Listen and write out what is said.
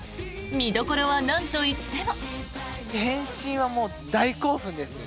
見どころは、なんといっても。